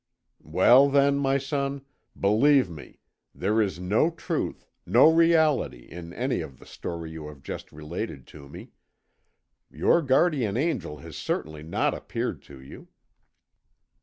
"Well, then, my son, believe me: there is no truth, no reality, in any of the story you have just related to me. Your guardian angel has certainly not appeared to you."